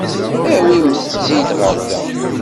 Awimt-tt-id ɣer da.